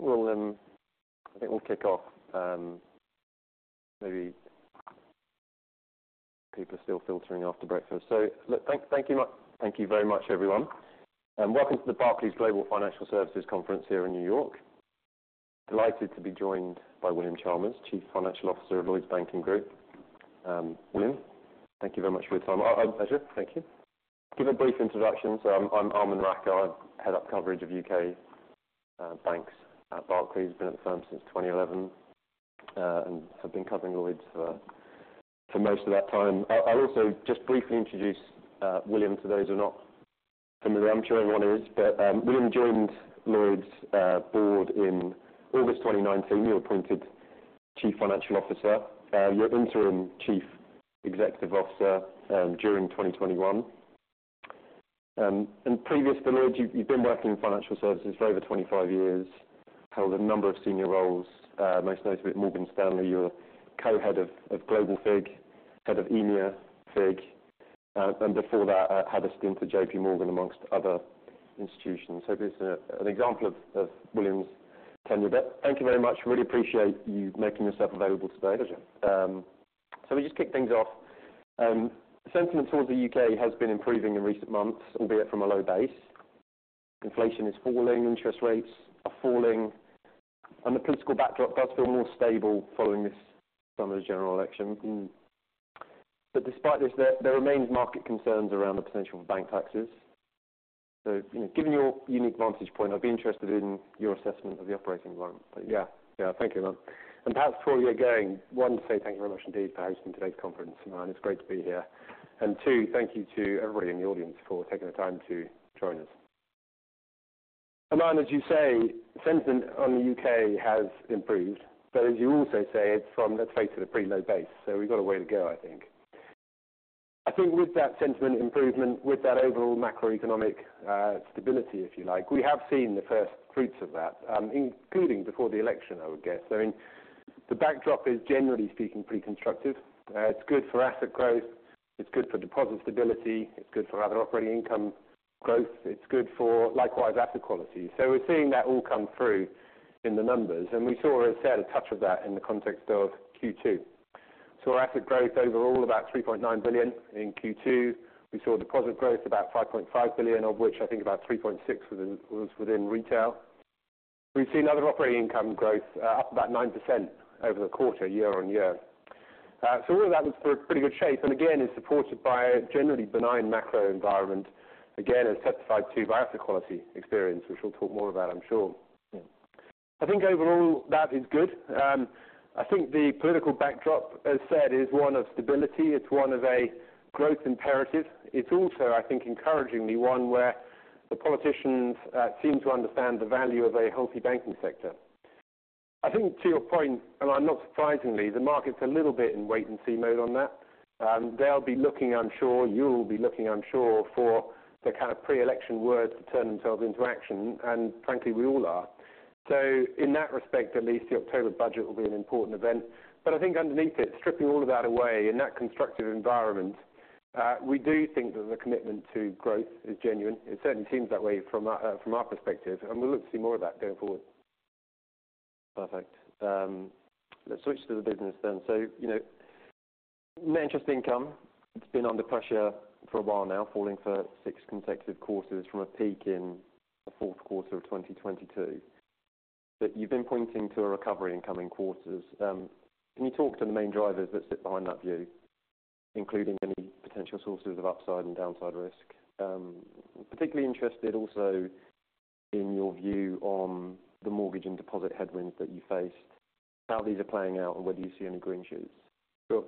I think we'll kick off, maybe people are still filtering after breakfast. So look. Thank you very much, everyone, and welcome to the Barclays Global Financial Services Conference here in New York. Delighted to be joined by William Chalmers, Chief Financial Officer of Lloyds Banking Group. William, thank you very much for your time. A pleasure. Thank you. Give a brief introduction. So I'm Aman Rakkar. I head up coverage of U.K. banks at Barclays. Been at the firm since 2011 and have been covering Lloyds for most of that time. I'll also just briefly introduce William to those who are not familiar. I'm sure everyone is. But William joined Lloyds board in August 2019. You were appointed Chief Financial Officer, you were Interim Chief Executive Officer during 2021. And previous to Lloyds, you've been working in financial services for over 25 years, held a number of senior roles, most notably at Morgan Stanley. You were Co-Head of Global FIG, Head of EMEA FIG, and before that, had a stint at J.P. Morgan, among other institutions. So just an example of William's tenure there. Thank you very much. Really appreciate you making yourself available today. Pleasure. So we just kick things off. Sentiment towards the U.K. has been improving in recent months, albeit from a low base. Inflation is falling, interest rates are falling, and the political backdrop does feel more stable following this summer's general election. But despite this, there remains market concerns around the potential for bank taxes. So, you know, given your unique vantage point, I'd be interested in your assessment of the operating environment. Yeah. Yeah. Thank you, Aman, and perhaps before we get going, one, to say thank you very much indeed for hosting today's conference, Aman. It's great to be here, and two, thank you to everybody in the audience for taking the time to join us. Aman, as you say, sentiment on the U.K. has improved, but as you also say, it's from, let's face it, a pretty low base, so we've got a way to go, I think. I think with that sentiment improvement, with that overall macroeconomic stability, if you like, we have seen the first fruits of that, including before the election, I would guess. So I mean, the backdrop is, generally speaking, pretty constructive. It's good for asset growth, it's good for deposit stability, it's good for other operating income growth. It's good for, likewise, asset quality. So we're seeing that all come through in the numbers, and we saw a set, a touch of that in the context of Q2. Our asset growth overall, about 3.9 billion in Q2. We saw deposit growth about 5.5 billion, of which I think about 3.6 was in, was within retail. We've seen other operating income growth, up about 9% over the quarter, year-on-year. So all of that looks in pretty good shape, and again, is supported by a generally benign macro environment. Again, as testified to by asset quality experience, which we'll talk more about, I'm sure. Yeah. I think overall that is good. I think the political backdrop, as said, is one of stability. It's one of a growth imperative. It's also, I think, encouragingly, one where the politicians seem to understand the value of a healthy banking sector. I think to your point, and not surprisingly, the market's a little bit in wait and see mode on that. They'll be looking, I'm sure, you'll be looking, I'm sure, for the kind of pre-election words to turn themselves into action, and frankly, we all are. So in that respect, at least, the October budget will be an important event. But I think underneath it, stripping all of that away in that constructive environment, we do think that the commitment to growth is genuine. It certainly seems that way from our perspective, and we look to see more of that going forward. Perfect. Let's switch to the business then. So, you know, net interest income, it's been under pressure for a while now, falling for six consecutive quarters from a peak in the fourth quarter of 2022. But you've been pointing to a recovery in coming quarters. Can you talk to the main drivers that sit behind that view, including any potential sources of upside and downside risk? Particularly interested also in your view on the mortgage and deposit headwinds that you face, how these are playing out, and whether you see any green shoots. Sure. Sure.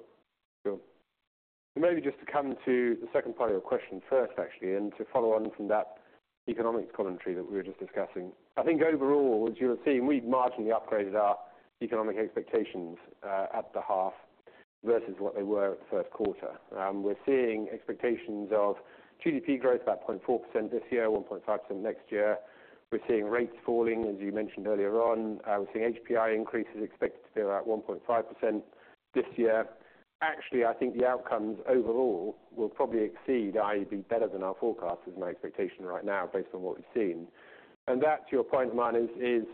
Maybe just to come to the second part of your question first, actually, and to follow on from that economics commentary that we were just discussing. I think overall, as you'll have seen, we've marginally upgraded our economic expectations at the half versus what they were at first quarter. We're seeing expectations of GDP growth, about 0.4% this year, 1.5% next year. We're seeing rates falling, as you mentioned earlier on. We're seeing HPI increases expected to be about 1.5% this year. Actually, I think the outcomes overall will probably exceed, i.e., be better than our forecast, is my expectation right now, based on what we've seen. And that, to your point, Aman, is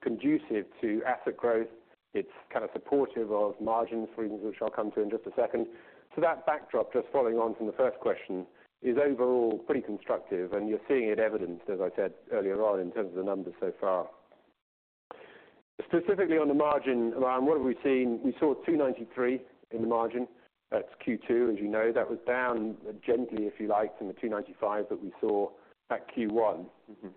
conducive to asset growth. It's kind of supportive of margins, for example, which I'll come to in just a second. So that backdrop, just following on from the first question, is overall pretty constructive, and you're seeing it evidenced, as I said earlier on, in terms of the numbers so far. Specifically on the margin, Aman, what have we seen? We saw two ninety-three in the margin. That's Q2, as you know, that was down gently, if you like, from the two ninety-five that we saw at Q1. Mm-hmm.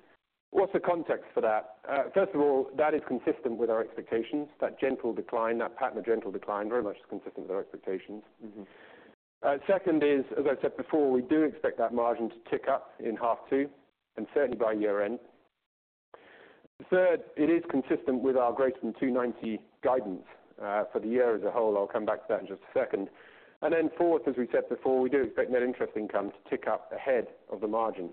What's the context for that? First of all, that is consistent with our expectations. That gentle decline, that pattern of gentle decline, very much is consistent with our expectations. Mm-hmm. Second is, as I said before, we do expect that margin to tick up in half two, and certainly by year end. Third, it is consistent with our greater than two ninety guidance, for the year as a whole. I'll come back to that in just a second. And then fourth, as we said before, we do expect net interest income to tick up ahead of the margin.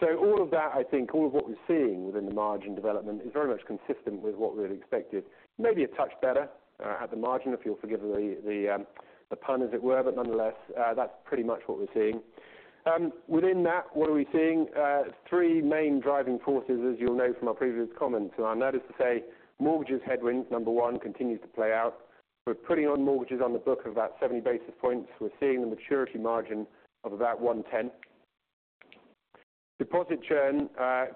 So all of that, I think, all of what we're seeing within the margin development is very much consistent with what we had expected. Maybe a touch better, at the margin, if you'll forgive the pun, as it were, but nonetheless, that's pretty much what we're seeing. Within that, what are we seeing? Three main driving forces, as you'll know from my previous comments, and that is to say, mortgages headwind, number one, continues to play out. We're putting on mortgages on the book of about 70 basis points. We're seeing the maturity margin of about one tenth. Deposit churn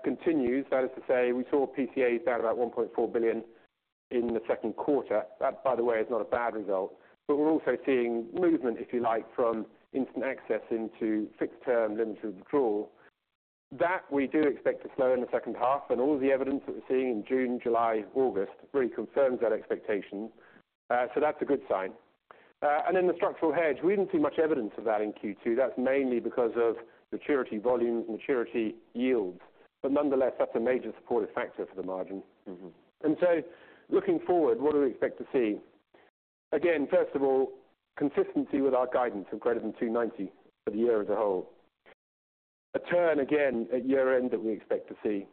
continues, that is to say, we saw PCAs down about 1.4 billion in the second quarter. That, by the way, is not a bad result, but we're also seeing movement, if you like, from instant access into fixed term limited withdrawal. That we do expect to slow in the second half, and all of the evidence that we're seeing in June, July, August, really confirms that expectation. So that's a good sign. And then the structural hedge, we didn't see much evidence of that in Q2. That's mainly because of maturity volume, maturity yields, but nonetheless, that's a major supportive factor for the margin. Mm-hmm. And so, looking forward, what do we expect to see? Again, first of all, consistency with our guidance of greater than two ninety for the year as a whole. A turn again at year-end that we expect to see,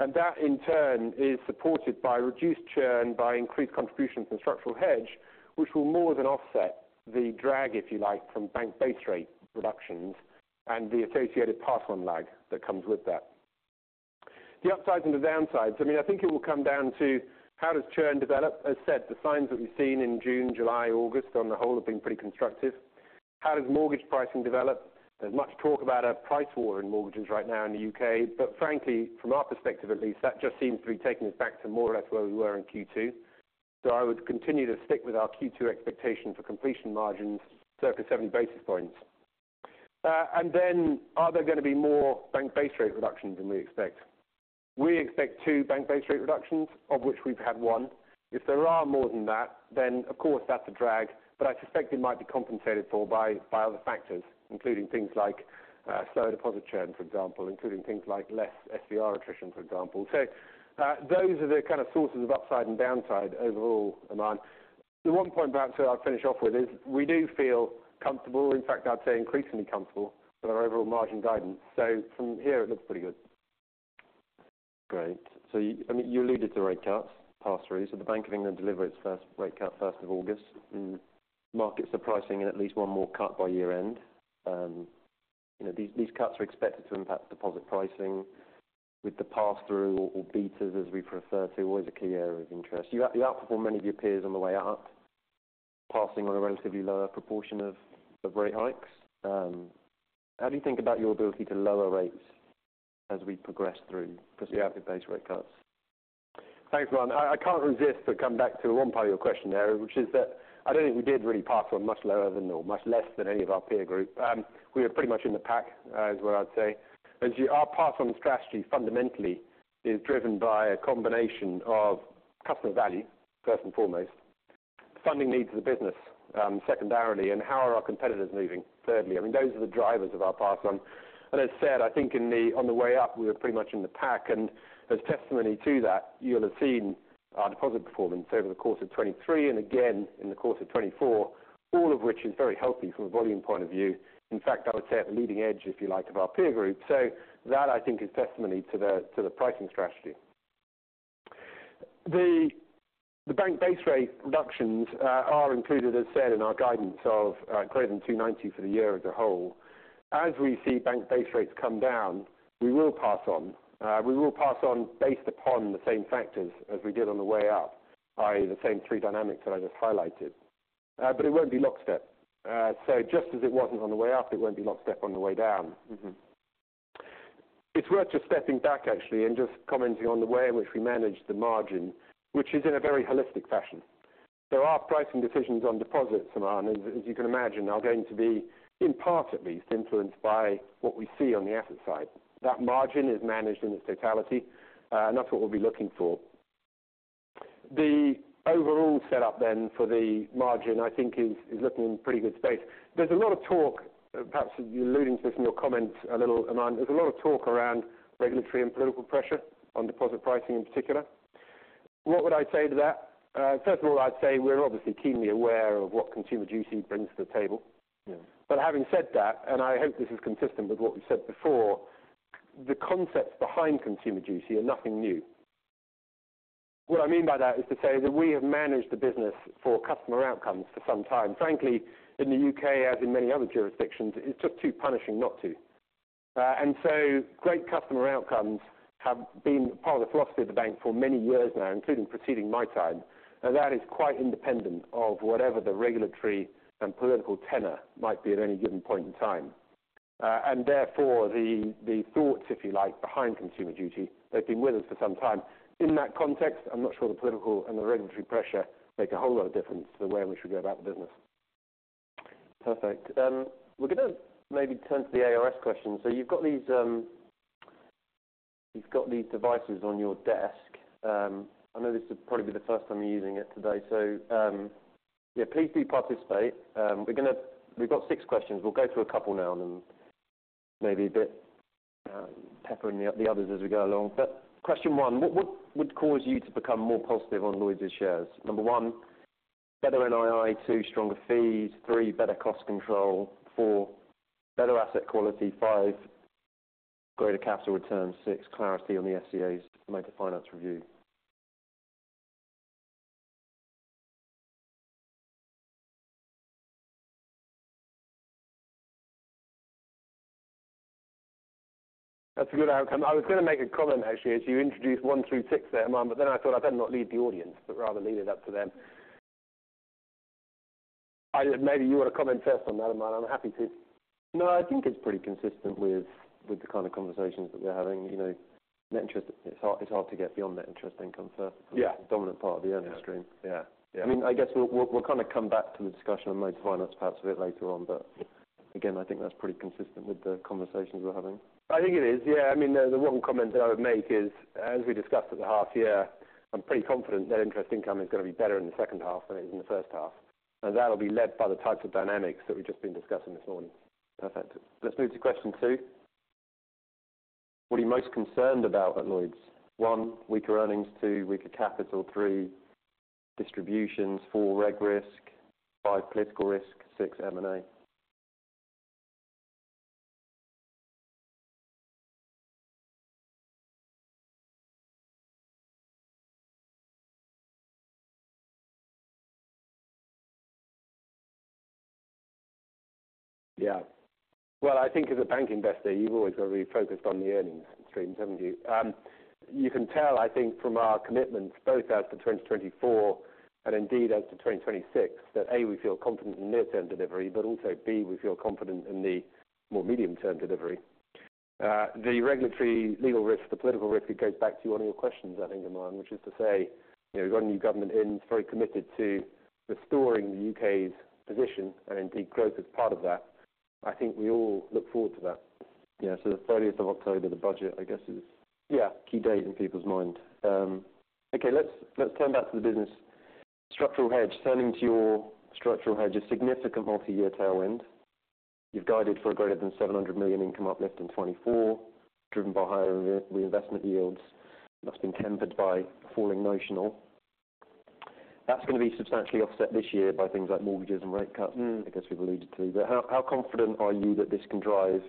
and that, in turn, is supported by reduced churn, by increased contributions from Structural Hedge, which will more than offset the drag, if you like, from Bank Base Rate reductions and the associated pass-on lag that comes with that. The upsides and the downsides, I mean, I think it will come down to how does churn develop? As said, the signs that we've seen in June, July, August on the whole have been pretty constructive. How does mortgage pricing develop? There's much talk about a price war in mortgages right now in the U.K., but frankly, from our perspective at least, that just seems to be taking us back to more or less where we were in Q2. So I would continue to stick with our Q2 expectation for completion margins, circa seventy basis points, and then are there gonna be more bank base rate reductions than we expect? We expect two bank base rate reductions, of which we've had one. If there are more than that, then of course, that's a drag, but I suspect it might be compensated for by other factors, including things like slower deposit churn, for example, including things like less SVR attrition, for example, those are the kind of sources of upside and downside overall, Aman. The one point perhaps that I'll finish off with is we do feel comfortable, in fact, I'd say increasingly comfortable with our overall margin guidance. So from here, it looks pretty good. Great. So, I mean, you alluded to rate cuts, pass-throughs, so the Bank of England delivered its first rate cut first of August, and markets are pricing in at least one more cut by year-end. You know, these cuts are expected to impact deposit pricing with the pass-through or betas, as we prefer to, always a key area of interest. You outperformed many of your peers on the way up, passing on a relatively lower proportion of rate hikes. How do you think about your ability to lower rates as we progress through- Yeah Prospective base rate cuts? Thanks, Aman. I can't resist but come back to one part of your question there, which is that I don't think we did really pass on much lower than or much less than any of our peer group. We are pretty much in the pack, is what I'd say. Our pass strategy, fundamentally, is driven by a combination of customer value, first and foremost, funding needs of the business, secondarily, and how are our competitors moving, thirdly. I mean, those are the drivers of our pass-on. And as I said, I think on the way up, we were pretty much in the pack, and as testimony to that, you'll have seen our deposit performance over the course of 2023 and again in the course of 2024, all of which is very healthy from a volume point of view. In fact, I would say at the leading edge, if you like, of our peer group. So that, I think, is testimony to the pricing strategy. The bank base rate reductions are included, as said, in our guidance of greater than two ninety for the year as a whole. As we see bank base rates come down, we will pass on based upon the same factors as we did on the way up, i.e., the same three dynamics that I just highlighted. But it won't be lockstep. So just as it wasn't on the way up, it won't be lockstep on the way down. Mm-hmm. It's worth just stepping back, actually, and just commenting on the way in which we manage the margin, which is in a very holistic fashion. There are pricing decisions on deposits, Aman, as you can imagine, are going to be, in part at least, influenced by what we see on the asset side. That margin is managed in its totality, and that's what we'll be looking for. The overall setup then for the margin, I think, is looking in pretty good space. There's a lot of talk, perhaps you alluding to this in your comments a little, Aman. There's a lot of talk around regulatory and political pressure on deposit pricing in particular. What would I say to that? First of all, I'd say we're obviously keenly aware of what Consumer Duty brings to the table. Yeah. But having said that, and I hope this is consistent with what we've said before, the concepts behind Consumer Duty are nothing new. What I mean by that is to say that we have managed the business for customer outcomes for some time. Frankly, in the U.K., as in many other jurisdictions, it's just too punishing not to. And so great customer outcomes have been part of the philosophy of the bank for many years now, including preceding my time, and that is quite independent of whatever the regulatory and political tenor might be at any given point in time. And therefore, the thoughts, if you like, behind Consumer Duty, they've been with us for some time. In that context, I'm not sure the political and the regulatory pressure make a whole lot of difference to the way in which we go about the business. Perfect. We're gonna maybe turn to the ARS questions. So you've got these, you've got these devices on your desk. I know this will probably be the first time you're using it today, so, yeah, please do participate. We've got six questions. We'll go through a couple now and then maybe a bit, peppering the others as we go along. But question one: What would cause you to become more positive on Lloyds's shares? Number one, better NII. Two, stronger fees. Three, better cost control. Four, better asset quality. Five, greater capital returns. Six, clarity on the FCA's motor finance review. ... That's a good outcome. I was gonna make a comment, actually, as you introduced one through six there, Aman, but then I thought I'd better not lead the audience, but rather leave it up to them. Maybe you want to comment first on that, Aman. I'm happy to. No, I think it's pretty consistent with the kind of conversations that we're having. You know, net interest, it's hard to get beyond net interest income for- Yeah the dominant part of the earnings stream. Yeah. Yeah. I mean, I guess we'll kind of come back to the discussion on motor finance perhaps a bit later on, but again, I think that's pretty consistent with the conversations we're having. I think it is. Yeah. I mean, the one comment that I would make is, as we discussed at the half year, I'm pretty confident net interest income is gonna be better in the second half than it is in the first half, and that'll be led by the types of dynamics that we've just been discussing this morning. Perfect. Let's move to question two. What are you most concerned about at Lloyds? One, weaker earnings. Two, weaker capital. Three, distributions. Four, reg risk. Five, political risk. Six, M&A. Yeah, well, I think as a bank investor, you've always got to be focused on the earnings streams, haven't you? You can tell, I think, from our commitments, both out to 2024, and indeed out to 2026, that, A, we feel confident in near-term delivery, but also, B, we feel confident in the more medium-term delivery. The regulatory legal risk, the political risk, it goes back to one of your questions, I think, Aman, which is to say, you know, we've got a new government in, very committed to restoring the U.K.'s position and indeed growth as part of that. I think we all look forward to that. Yeah. So the thirtieth of October, the budget, I guess, is- Yeah... key date in people's mind. Okay, let's, let's turn back to the business. Structural hedge. Turning to your structural hedge, a significant multi-year tailwind. You've guided for a greater than 700 million income uplift in 2024, driven by higher reinvestment yields. That's been tempered by falling notional. That's gonna be substantially offset this year by things like mortgages and rate cuts. Mm I guess we've alluded to. But how confident are you that this can drive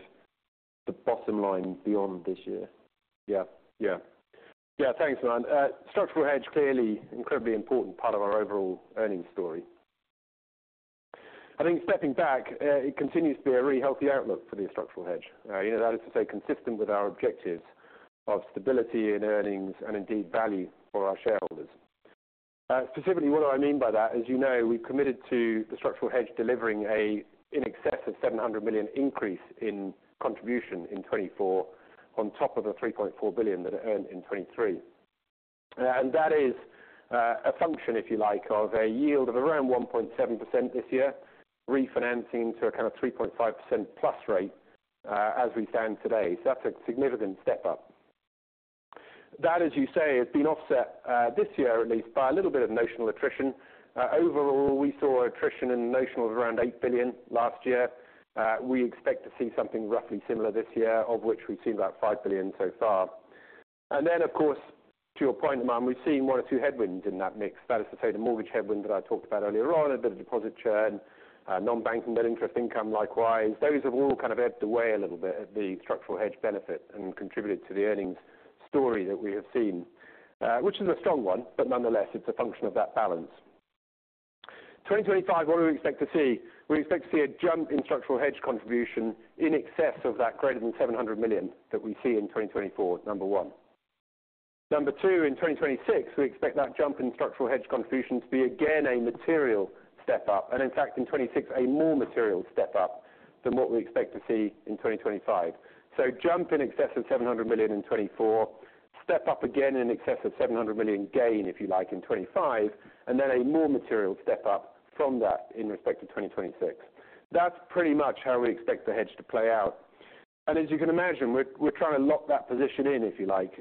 the bottom line beyond this year? Yeah, thanks, Aman. Structural hedge, clearly, incredibly important part of our overall earnings story. I think stepping back, it continues to be a really healthy outlook for the structural hedge. You know, that is to say, consistent with our objectives of stability in earnings and indeed value for our shareholders. Specifically, what do I mean by that? As you know, we've committed to the structural hedge delivering an increase in excess of 700 million in contribution in 2024, on top of the 3.4 billion that it earned in 2023. And that is, a function, if you like, of a yield of around 1.7% this year, refinancing to a kind of 3.5% plus rate, as we stand today. So that's a significant step up. That, as you say, has been offset this year, at least, by a little bit of notional attrition. Overall, we saw attrition in notional of around 8 billion last year. We expect to see something roughly similar this year, of which we've seen about 5 billion so far. And then, of course, to your point, Aman, we've seen one or two headwinds in that mix. That is to say, the mortgage headwind that I talked about earlier on, a bit of deposit churn, non-bank net interest income, likewise. Those have all kind of ebbed away a little bit at the structural hedge benefit and contributed to the earnings story that we have seen. Which is a strong one, but nonetheless, it's a function of that balance. 2025, what do we expect to see? We expect to see a jump in structural hedge contribution in excess of that greater than 700 million that we see in 2024, number one. Number two, in 2026, we expect that jump in structural hedge contribution to be again, a material step up, and in fact, in twenty-six, a more material step up than what we expect to see in 2025. So jump in excess of 700 million in twenty-four, step up again in excess of 700 million gain, if you like, in twenty-five, and then a more material step up from that in respect to 2026. That's pretty much how we expect the hedge to play out. And as you can imagine, we're trying to lock that position in, if you like.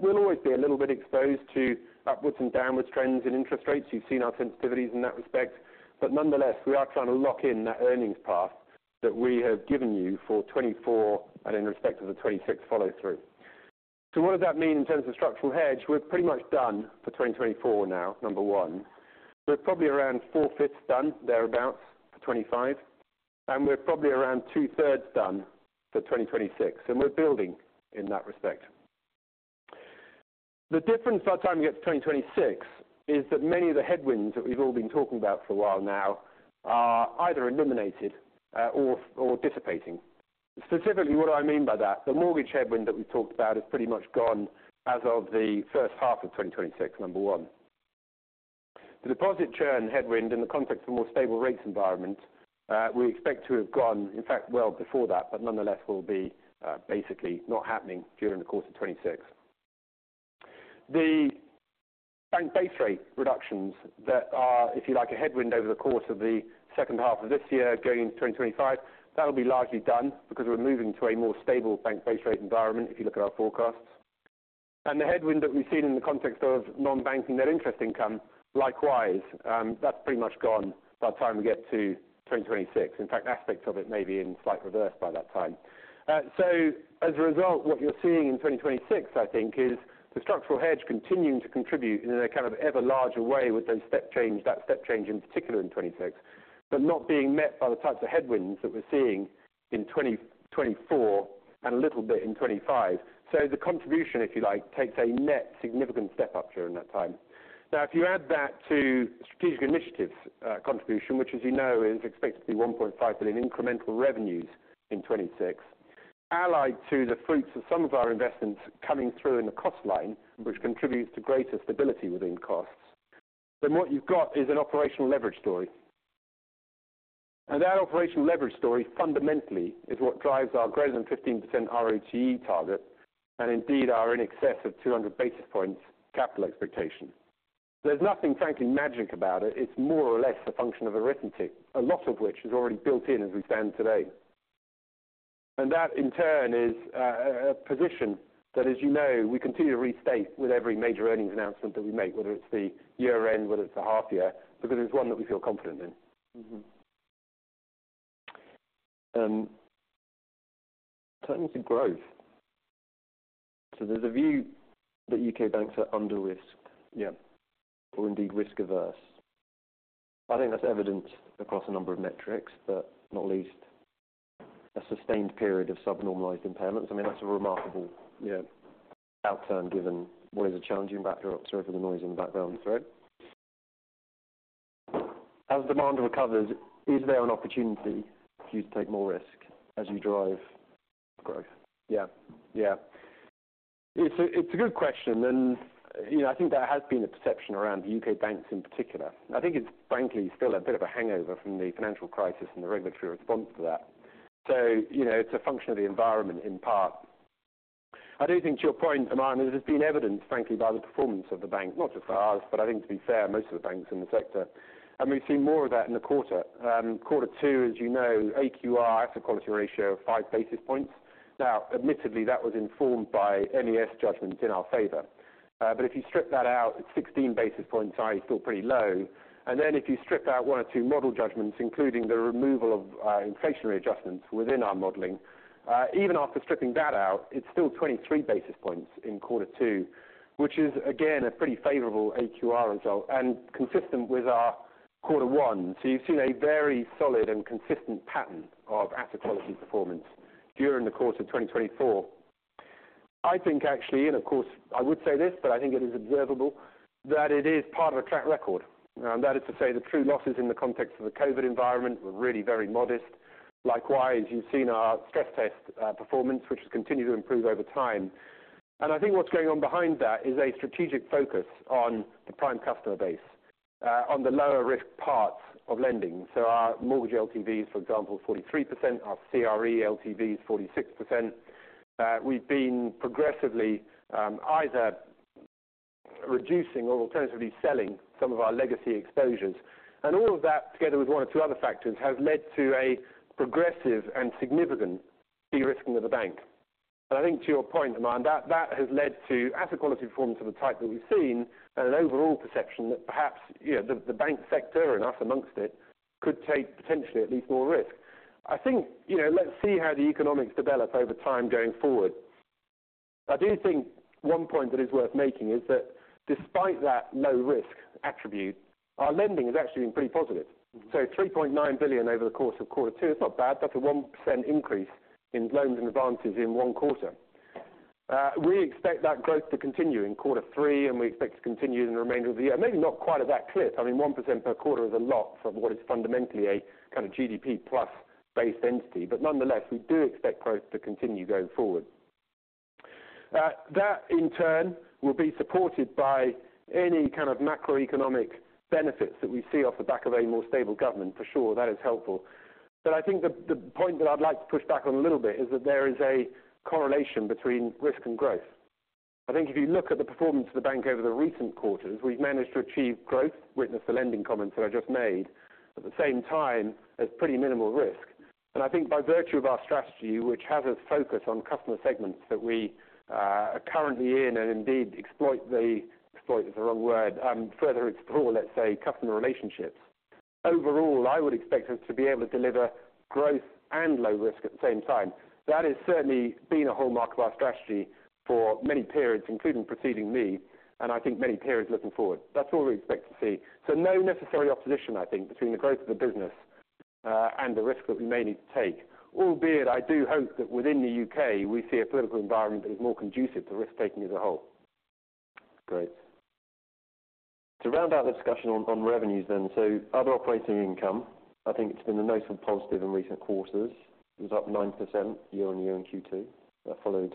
We'll always be a little bit exposed to upwards and downwards trends in interest rates. You've seen our sensitivities in that respect, but nonetheless, we are trying to lock in that earnings path that we have given you for 2024 and in respect of the 2026 follow-through. So what does that mean in terms of structural hedge? We're pretty much done for 2024 now, number one. We're probably around four-fifths done, thereabout, for 2025, and we're probably around two-thirds done for 2026, and we're building in that respect. The difference by the time we get to 2026 is that many of the headwinds that we've all been talking about for a while now are either eliminated, or dissipating. Specifically, what do I mean by that? The mortgage headwind that we talked about is pretty much gone as of the first half of 2026, number one. The deposit churn headwind, in the context of a more stable rates environment, we expect to have gone, in fact, well before that, but nonetheless, will be, basically not happening during the course of 2026. The bank base rate reductions that are, if you like, a headwind over the course of the second half of this year going into 2025, that'll be largely done because we're moving to a more stable bank base rate environment, if you look at our forecasts. And the headwind that we've seen in the context of non-bank net interest income, likewise, that's pretty much gone by the time we get to 2026. In fact, aspects of it may be in slight reverse by that time. So as a result, what you're seeing in 2026, I think, is the structural hedge continuing to contribute in a kind of ever larger way with the step change, that step change, in particular in 2026, but not being met by the types of headwinds that we're seeing in 2024 and a little bit in 2025. So the contribution, if you like, takes a net significant step up during that time. Now, if you add that to strategic initiatives, contribution, which as you know, is expected to be 1.5 billion incremental revenues in 2026, allied to the fruits of some of our investments coming through in the cost line, which contributes to greater stability within costs, then what you've got is an operational leverage story. That operational leverage story fundamentally is what drives our greater than 15% ROE target and indeed our in excess of 200 basis points capital expectation. There's nothing frankly, magic about it. It's more or less a function of the written tick, a lot of which is already built in as we stand today. That, in turn, is a position that, as you know, we continue to restate with every major earnings announcement that we make, whether it's the year-end, whether it's the half year, because it's one that we feel confident in. Mm-hmm. Turning to growth. So there's a view that U.K. banks are under risk. Yeah. Or indeed, risk averse. I think that's evident across a number of metrics, but not least, a sustained period of subnormalized impairments. I mean, that's a remarkable- Yeah. Outturn, given what is a challenging backdrop. Sorry for the noise in the background. That's all right. As demand recovers, is there an opportunity for you to take more risk as you drive growth? Yeah. Yeah. It's a, it's a good question, and, you know, I think there has been a perception around U.K. banks in particular. I think it's frankly still a bit of a hangover from the financial crisis and the regulatory response to that. So, you know, it's a function of the environment in part. I do think to your point, Aman, it has been evidenced frankly, by the performance of the bank, not just ours, but I think to be fair, most of the banks in the sector, and we've seen more of that in the quarter. Quarter two, as you know, AQR, asset quality ratio of five basis points. Now, admittedly, that was informed by MES judgments in our favor. But if you strip that out, it's sixteen basis points are still pretty low. And then if you strip out one or two model judgments, including the removal of, inflationary adjustments within our modeling, even after stripping that out, it's still twenty-three basis points in quarter two, which is again, a pretty favorable AQR result and consistent with our quarter one. So you've seen a very solid and consistent pattern of asset quality performance during the course of 2024. I think actually, and of course, I would say this, but I think it is observable, that it is part of a track record. And that is to say, the true losses in the context of the COVID environment were really very modest. Likewise, you've seen our stress test, performance, which has continued to improve over time. And I think what's going on behind that is a strategic focus on the prime customer base, on the lower risk parts of lending. So our mortgage LTVs, for example, 43%, our CRE LTV is 46%. We've been progressively, either reducing or alternatively selling some of our legacy exposures. And all of that, together with one or two other factors, have led to a progressive and significant de-risking of the bank. And I think to your point, Aman, that, that has led to asset quality performance of the type that we've seen and an overall perception that perhaps, you know, the, the bank sector and us amongst it, could take potentially at least more risk. I think, you know, let's see how the economics develop over time going forward. I do think one point that is worth making is that despite that low risk attribute, our lending has actually been pretty positive. Mm-hmm. 3.9 billion over the course of quarter two, it's not bad. That's a 1% increase in loans and advances in one quarter. We expect that growth to continue in quarter three, and we expect to continue in the remainder of the year. Maybe not quite at that clip. I mean, 1% per quarter is a lot from what is fundamentally a kind of GDP plus base entity, but nonetheless, we do expect growth to continue going forward. That in turn will be supported by any kind of macroeconomic benefits that we see off the back of a more stable government, for sure, that is helpful. But I think the point that I'd like to push back on a little bit is that there is a correlation between risk and growth. I think if you look at the performance of the bank over the recent quarters, we've managed to achieve growth, witness the lending comments that I just made, at the same time, at pretty minimal risk. I think by virtue of our strategy, which has us focus on customer segments that we are currently in, and indeed further explore, let's say, customer relationships. Overall, I would expect us to be able to deliver growth and low risk at the same time. That has certainly been a hallmark of our strategy for many periods, including preceding me, and I think many periods looking forward. That's what we expect to see. So no necessary opposition, I think, between the growth of the business and the risk that we may need to take. Albeit, I do hope that within the U.K., we see a political environment that is more conducive to risk-taking as a whole. Great. To round out the discussion on revenues then, so other operating income, I think it's been a note of positive in recent quarters. It was up 9% year-on-year in Q2. That followed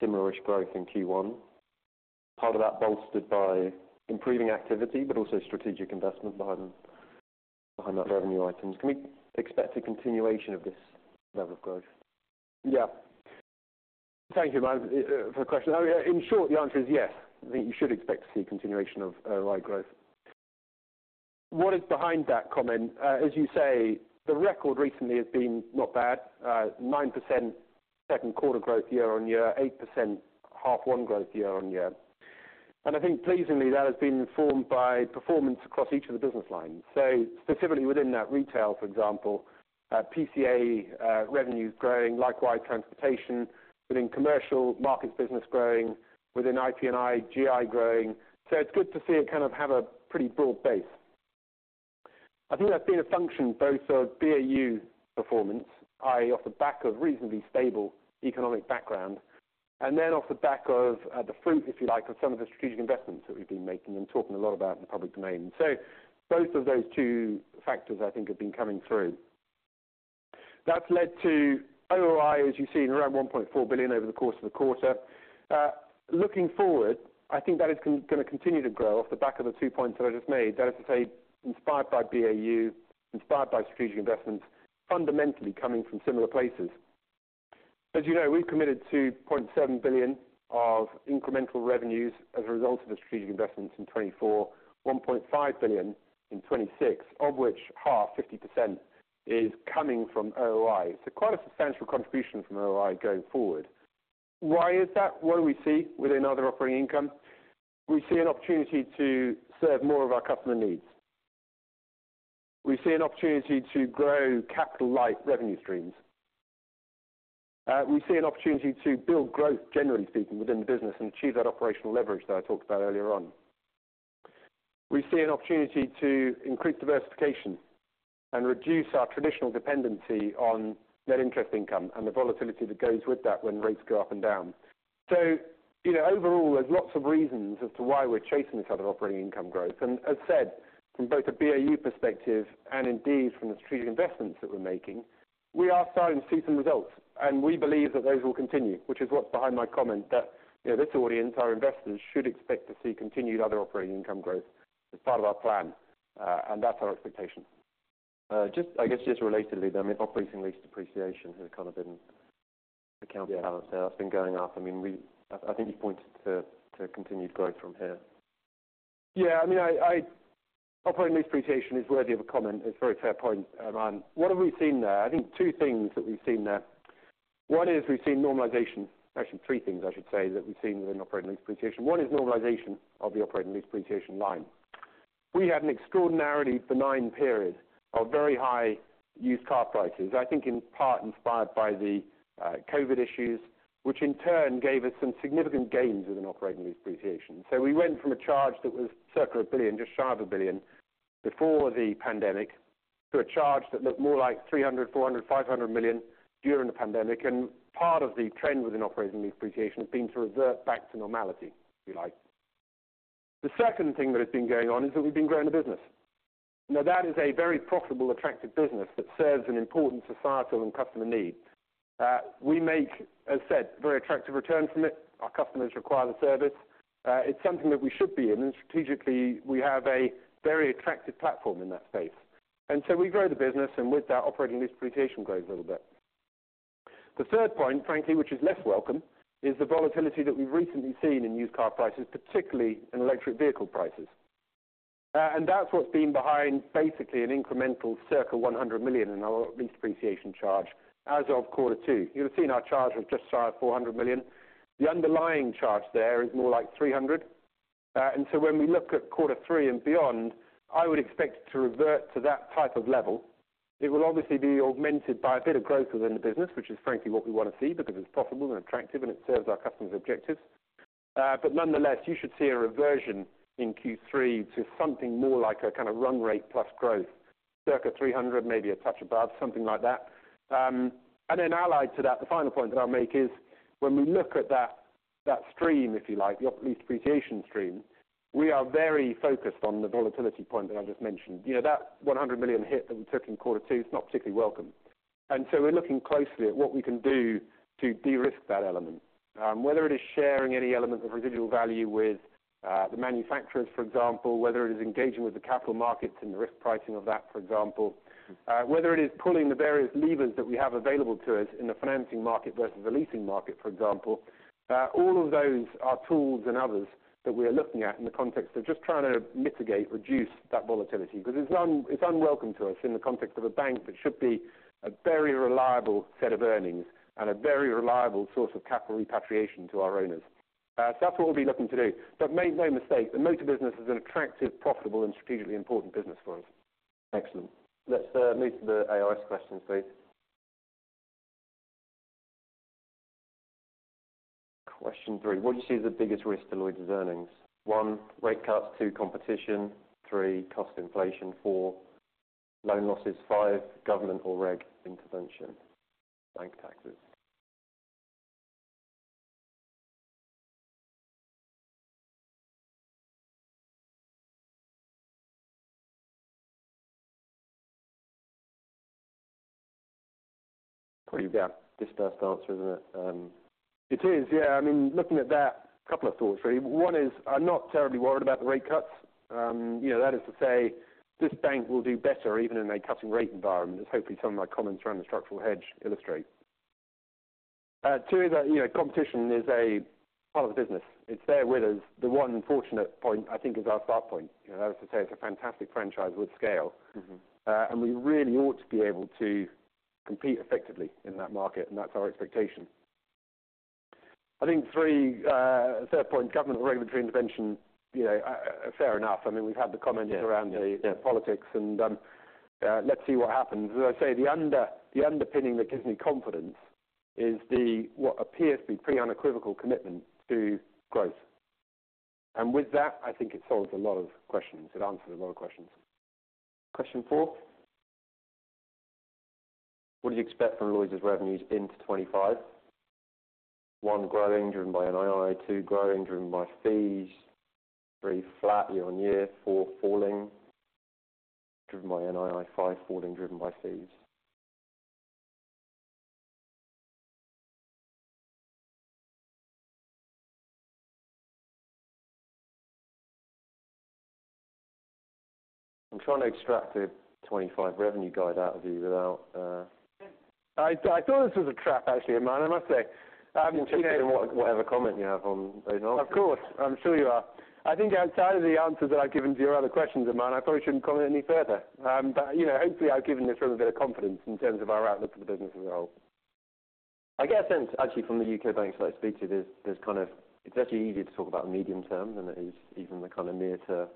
similar-ish growth in Q1. Part of that bolstered by improving activity, but also strategic investment behind that revenue items. Can we expect a continuation of this level of growth? Yeah. Thank you, Aman, for the question. In short, the answer is yes. I think you should expect to see a continuation of high growth. What is behind that comment? As you say, the record recently has been not bad. 9% second quarter growth year-on-year, 8% half one growth year-on-year. And I think pleasingly, that has been formed by performance across each of the business lines. So specifically within that retail, for example, PCA revenue is growing, likewise, transportation. Within commercial, markets business growing, within IP&I, GI growing. So it's good to see it kind of have a pretty broad base. I think that's been a function both of BAU performance, i.e., off the back of reasonably stable economic background, and then off the back of the fruit, if you like, of some of the strategic investments that we've been making and talking a lot about in the public domain. So both of those two factors, I think, have been coming through. That's led to OOI, as you've seen, around 1.4 billion over the course of the quarter. Looking forward, I think that is gonna continue to grow off the back of the two points that I just made. That is to say, inspired by BAU, inspired by strategic investments, fundamentally coming from similar places. As you know, we've committed to 0.7 billion of incremental revenues as a result of the strategic investments in 2024, 1.5 billion in 2026, of which half, 50%, is coming from OOI, so quite a substantial contribution from OOI going forward. Why is that? What do we see within other operating income? We see an opportunity to serve more of our customer needs. We see an opportunity to grow capital-light revenue streams. We see an opportunity to build growth, generally speaking, within the business and achieve that operational leverage that I talked about earlier on. We see an opportunity to increase diversification and reduce our traditional dependency on net interest income and the volatility that goes with that when rates go up and down. So, you know, overall, there's lots of reasons as to why we're chasing this other operating income growth, and as said, from both a BAU perspective and indeed from the strategic investments that we're making, we are starting to see some results, and we believe that those will continue. Which is what's behind my comment, that, you know, this audience, our investors, should expect to see continued other operating income growth as part of our plan, and that's our expectation. Just, I guess, just related to that, I mean, operating lease depreciation has kind of been the counterbalance, and that's been going up. I mean, I think you pointed to continued growth from here. Yeah, I mean, operating lease depreciation is worthy of a comment. It's a very fair point, Ryan. What have we seen there? I think two things that we've seen there. One is we've seen normalization. Actually, three things I should say, that we've seen within operating lease depreciation. One is normalization of the operating lease depreciation line. We had an extraordinarily benign period of very high used car prices, I think in part inspired by the, Covid issues, which in turn gave us some significant gains within operating lease depreciation. So we went from a charge that was circa 1 billion, just shy of 1 billion, before the pandemic, to a charge that looked more like 300-500 million during the pandemic. And part of the trend within operating lease depreciation has been to revert back to normality, if you like. The second thing that has been going on is that we've been growing the business. Now, that is a very profitable, attractive business that serves an important societal and customer need. We make, as I said, very attractive returns from it. Our customers require the service. It's something that we should be in, and strategically, we have a very attractive platform in that space. And so we grow the business, and with that operating lease depreciation grows a little bit. The third point, frankly, which is less welcome, is the volatility that we've recently seen in used car prices, particularly in electric vehicle prices. And that's what's been behind basically an incremental circa 100 million in our lease depreciation charge as of quarter two. You'll have seen our charge was just shy of 400 million. The underlying charge there is more like 300 million. And so when we look at quarter three and beyond, I would expect it to revert to that type of level. It will obviously be augmented by a bit of growth within the business, which is frankly what we want to see, because it's profitable and attractive and it serves our customers' objectives. But nonetheless, you should see a reversion in Q3 to something more like a kind of run rate plus growth, circa 300 million, maybe a touch above, something like that. And then allied to that, the final point that I'll make is when we look at that stream, if you like, the operating lease depreciation stream, we are very focused on the volatility point that I just mentioned. You know, that 100 million hit that we took in quarter two, it's not particularly welcome. And so we're looking closely at what we can do to de-risk that element. Whether it is sharing any element of residual value with, the manufacturers, for example, whether it is engaging with the capital markets and the risk pricing of that, for example, whether it is pulling the various levers that we have available to us in the financing market versus the leasing market, for example. All of those are tools and others that we're looking at in the context of just trying to mitigate, reduce that volatility, because it's unwelcome to us in the context of a bank that should be a very reliable set of earnings and a very reliable source of capital repatriation to our owners. So that's what we'll be looking to do. Make no mistake, the motor business is an attractive, profitable and strategically important business for us. Excellent. Let's move to the AI questions, please. Question three: What do you see as the biggest risk to Lloyds's earnings? One, rate cuts, two, competition, three, cost inflation, four, loan losses, five, government or reg intervention, bank taxes. Pretty widely dispersed answer, isn't it? It is, yeah. I mean, looking at that, a couple of thoughts, really. One is I'm not terribly worried about the rate cuts. You know, that is to say, this bank will do better even in a cutting rate environment, as hopefully some of my comments around the structural hedge illustrate. Two, is that, you know, competition is a part of the business. It's there with us. The one fortunate point, I think, is our start point. You know, that is to say it's a fantastic franchise with scale. Mm-hmm. and we really ought to be able to compete effectively in that market, and that's our expectation. I think three, third point, government regulatory intervention, you know, fair enough. I mean, we've had the comments- Yeah... around the politics, and, let's see what happens. As I say, the underpinning that gives me confidence is what appears to be pretty unequivocal commitment to growth. ...And with that, I think it solves a lot of questions. It answers a lot of questions. Question four. What do you expect from Lloyds's revenues into twenty-five? One, growing driven by NII. Two, growing driven by fees. Three, flat year-on-year. Four, falling driven by NII. Five, falling driven by fees. I'm trying to extract a twenty-five revenue guide out of you without, I thought this was a trap, actually, Aman, I must say. You know- Whatever comment you have on those answers. Of course, I'm sure you are. I think outside of the answers that I've given to your other questions, Aman, I probably shouldn't comment any further, but you know, hopefully, I've given this room a bit of confidence in terms of our outlook for the business as a whole. I get a sense, actually, from the U.K. banks that I speak to, there's kind of, it's actually easier to talk about medium term than it is even the kind of near term.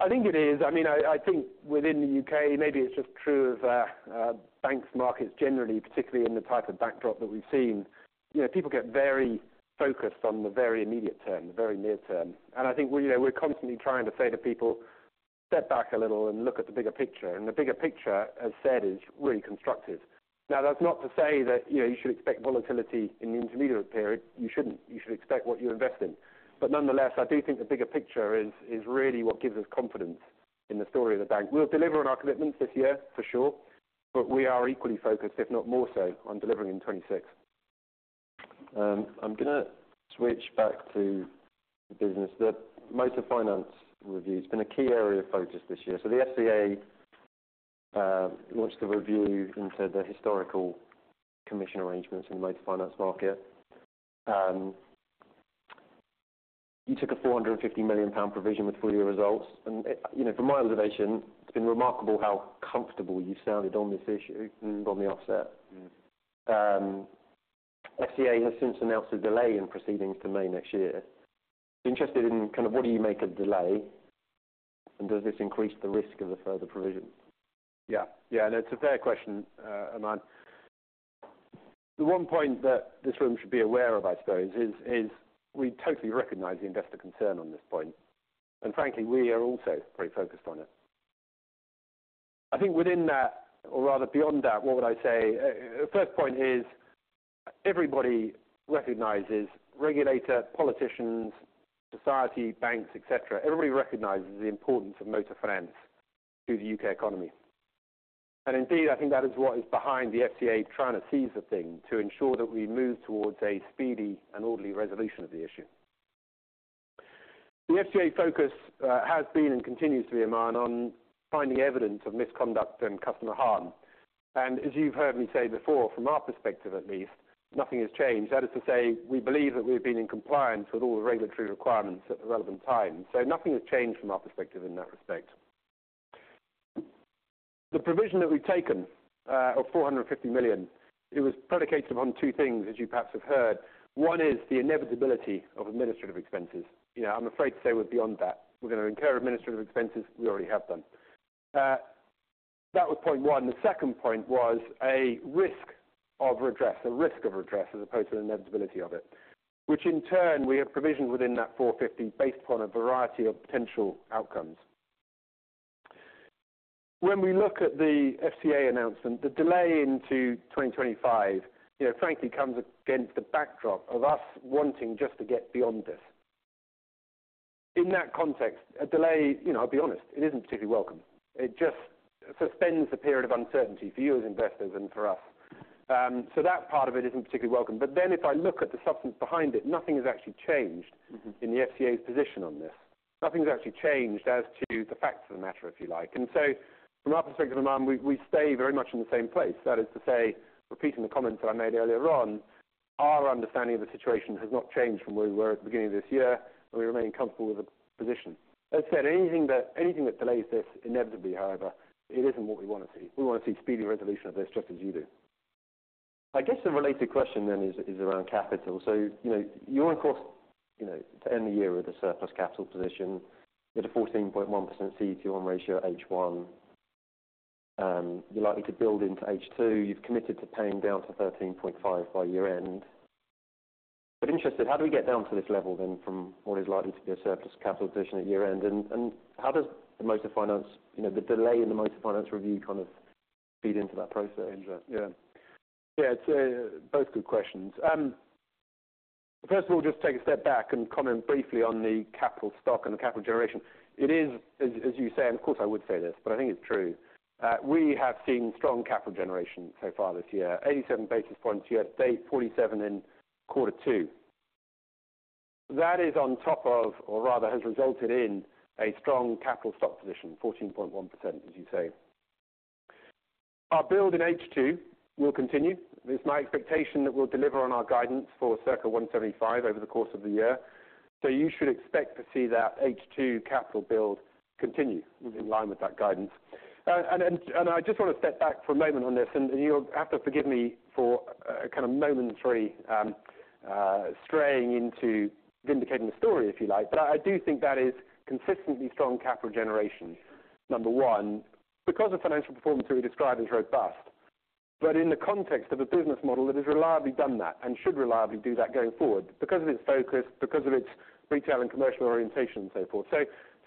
I think it is. I mean, I think within the U.K., maybe it's just true of banks markets generally, particularly in the type of backdrop that we've seen. You know, people get very focused on the very immediate term, the very near term. I think we're constantly trying to say to people, "Step back a little and look at the bigger picture." The bigger picture, as said, is really constructive. Now, that's not to say that, you know, you should expect volatility in the intermediate period. You shouldn't. You should expect what you invest in. But nonetheless, I do think the bigger picture is really what gives us confidence in the story of the bank. We'll deliver on our commitments this year, for sure, but we are equally focused, if not more so, on delivering in twenty-six. I'm gonna switch back to the business. The Motor Finance review has been a key area of focus this year. So the FCA launched a review into the historical commission arrangements in the motor finance market. You took a 450 million pound provision with full year results, and you know, from my observation, it's been remarkable how comfortable you sounded on this issue. Mm. from the offset. Mm. FCA has since announced a delay in proceedings to May next year. Interested in kind of, what do you make of delay, and does this increase the risk of a further provision? Yeah. Yeah, and it's a fair question, Aman. The one point that this room should be aware of, I suppose, is we totally recognize the investor concern on this point, and frankly, we are also very focused on it. I think within that, or rather beyond that, what would I say? First point is everybody recognizes regulator, politicians, society, banks, et cetera. Everybody recognizes the importance of motor finance to the U.K. economy. And indeed, I think that is what is behind the FCA trying to seize the thing, to ensure that we move towards a speedy and orderly resolution of the issue. The FCA focus has been, and continues to be, Aman, on finding evidence of misconduct and customer harm. And as you've heard me say before, from our perspective, at least, nothing has changed. That is to say, we believe that we've been in compliance with all the regulatory requirements at the relevant time, so nothing has changed from our perspective in that respect. The provision that we've taken, of 450 million, it was predicated on two things, as you perhaps have heard. One is the inevitability of administrative expenses. You know, I'm afraid to say we're beyond that. We're gonna incur administrative expenses. We already have them. That was point one. The second point was a risk of redress, a risk of redress, as opposed to the inevitability of it, which in turn, we have provisioned within that 450 million, based upon a variety of potential outcomes. When we look at the FCA announcement, the delay into 2025, you know, frankly, comes against the backdrop of us wanting just to get beyond this. In that context, a delay, you know, I'll be honest, it isn't particularly welcome. It just suspends a period of uncertainty for you as investors and for us. So that part of it isn't particularly welcome. But then if I look at the substance behind it, nothing has actually changed- Mm-hmm. -in the FCA's position on this. Nothing's actually changed as to the facts of the matter, if you like. And so from our perspective, Aman, we stay very much in the same place. That is to say, repeating the comments that I made earlier on, our understanding of the situation has not changed from where we were at the beginning of this year, and we remain comfortable with the position. As I said, anything that delays this inevitably, however, it isn't what we want to see. We want to see speedy resolution of this, just as you do. I guess the related question then is around capital. So you know, you're on course, you know, to end the year with a surplus capital position with a 14.1% CET1 ratio at H1. You're likely to build into H2. You've committed to paying down to 13.5% by year-end. But interested, how do we get down to this level then, from what is likely to be a surplus capital position at year-end? And how does the motor finance, you know, the delay in the motor finance review kind of feed into that process? Yeah. Yeah, it's both good questions. First of all, just take a step back and comment briefly on the capital stock and the capital generation. It is, as you say, and of course, I would say this, but I think it's true. We have seen strong capital generation so far this year, 87 basis points year to date, 47 in quarter two. That is on top of, or rather, has resulted in a strong capital stock position, 14.1%, as you say. Our build in H2 will continue. It's my expectation that we'll deliver on our guidance for circa 175 over the course of the year. So you should expect to see that H2 capital build continue in line with that guidance. I just want to step back for a moment on this, and you'll have to forgive me for kind of momentary straying into vindicating the story, if you like. But I do think that is consistently strong capital generation, number one, because the financial performance that we described is robust, but in the context of a business model that has reliably done that and should reliably do that going forward, because of its focus, because of its retail and commercial orientation and so forth.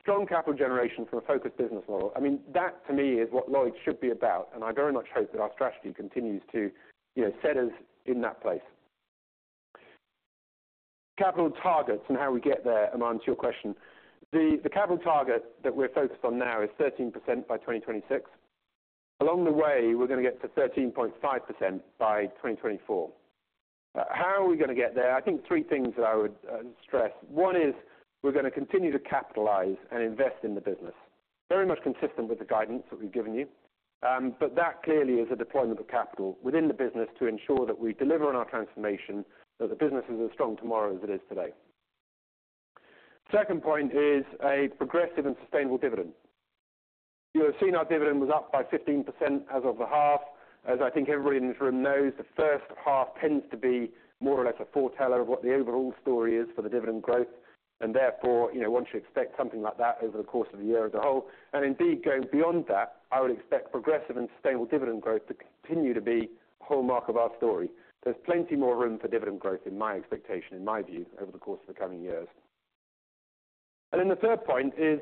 So strong capital generation from a focused business model. I mean, that to me is what Lloyds should be about, and I very much hope that our strategy continues to, you know, set us in that place. Capital targets and how we get there, Aman, to your question. The capital target that we're focused on now is 13% by 2026. Along the way, we're gonna get to 13.5% by 2024. How are we gonna get there? I think three things that I would stress. One is we're gonna continue to capitalize and invest in the business, very much consistent with the guidance that we've given you. But that clearly is a deployment of capital within the business to ensure that we deliver on our transformation, that the business is as strong tomorrow as it is today. Second point is a progressive and sustainable dividend. You have seen our dividend was up by 15% as of the half. As I think everybody in this room knows, the first half tends to be more or less a foreteller of what the overall story is for the dividend growth, and therefore, you know, once you expect something like that over the course of the year as a whole, and indeed, going beyond that, I would expect progressive and sustainable dividend growth to continue to be a hallmark of our story. There's plenty more room for dividend growth in my expectation, in my view, over the course of the coming years. And then the third point is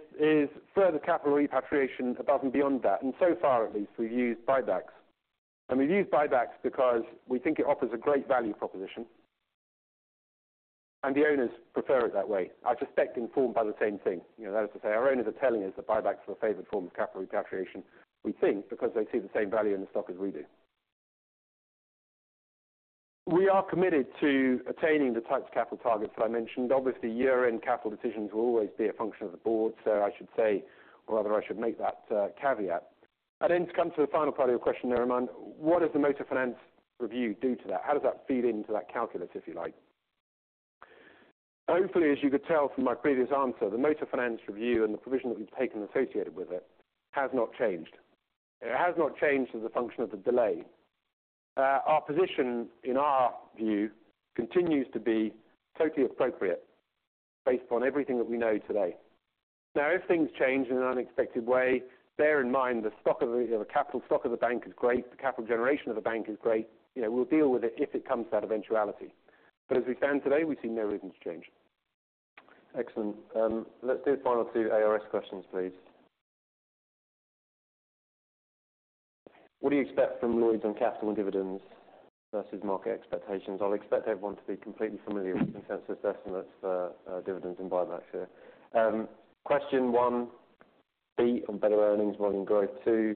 further capital repatriation above and beyond that, and so far at least, we've used buybacks. And we've used buybacks because we think it offers a great value proposition, and the owners prefer it that way. I suspect informed by the same thing. You know, that is to say, our owners are telling us that buybacks are a favorite form of capital repatriation. We think because they see the same value in the stock as we do. We are committed to attaining the types of capital targets that I mentioned. Obviously, year-end capital decisions will always be a function of the board, so I should say, or rather, I should make that caveat. And then to come to the final part of your question there, Aman, what does the motor finance review do to that? How does that feed into that calculus, if you like? Hopefully, as you could tell from my previous answer, the motor finance review and the provision that we've taken associated with it has not changed. It has not changed as a function of the delay. Our position, in our view, continues to be totally appropriate based upon everything that we know today. Now, if things change in an unexpected way, bear in mind, the capital stock of the bank is great, the capital generation of the bank is great. You know, we'll deal with it if it comes to that eventuality. But as we stand today, we see no reason to change. Excellent. Let's do a final two ARS questions, please. What do you expect from Lloyds on capital and dividends versus market expectations? I'll expect everyone to be completely familiar with consensus estimates for, dividends and buybacks share. Question one, B, on better earnings, volume growth. Two,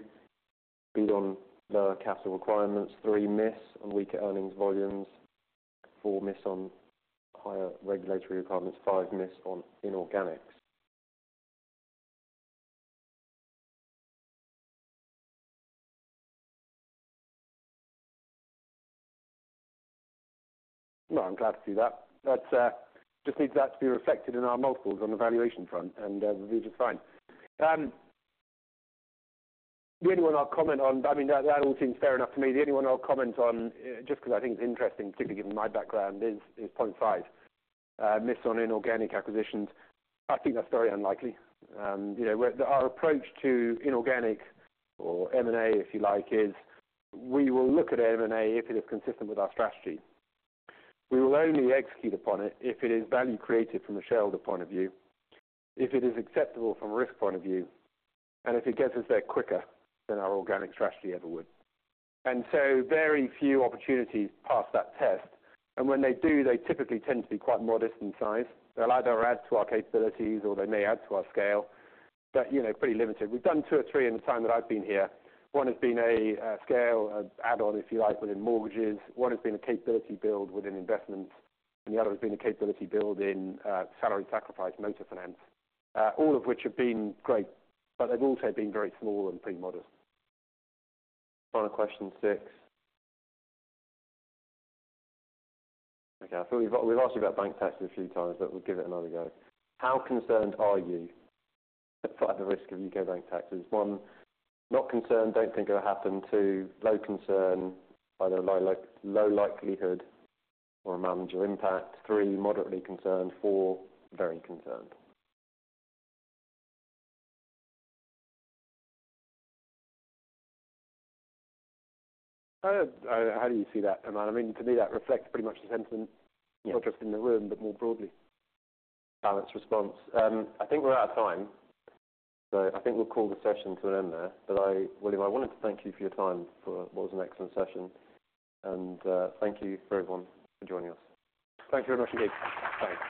B, on lower capital requirements. Three, miss on weaker earnings volumes. Four, miss on higher regulatory requirements. Five, miss on inorganics. No, I'm glad to see that. That just needs that to be reflected in our multiples on the valuation front, and we'll do just fine. The only one I'll comment on, I mean, that all seems fair enough to me. The only one I'll comment on just because I think it's interesting, particularly given my background, is point five miss on inorganic acquisitions. I think that's very unlikely. You know, our approach to inorganic or M&A, if you like, is we will look at M&A if it is consistent with our strategy. We will only execute upon it if it is value creative from a shareholder point of view, if it is acceptable from a risk point of view, and if it gets us there quicker than our organic strategy ever would. And so very few opportunities pass that test, and when they do, they typically tend to be quite modest in size. They'll either add to our capabilities or they may add to our scale, but, you know, pretty limited. We've done two or three in the time that I've been here. One has been a scale add-on, if you like, within mortgages. One has been a capability build within investments, and the other has been a capability build in salary sacrifice, motor finance. All of which have been great, but they've also been very small and pretty modest. Final question six. Okay, I thought we've asked you about bank taxes a few times, but we'll give it another go. How concerned are you about the risk of U.K. bank taxes? One, not concerned, don't think it'll happen. Two, low concern, either low like, low likelihood or manager impact. Three, moderately concerned. Four, very concerned. How do you see that, Aman? I mean, to me, that reflects pretty much the sentiment- Yeah. Not just in the room, but more broadly. Balanced response. I think we're out of time, so I think we'll call the session to an end there. But I, William, I wanted to thank you for your time for what was an excellent session, and thank you for everyone for joining us. Thank you very much indeed. Thanks.